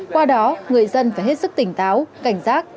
qua đó người dân phải hết sức tỉnh táo cảnh giác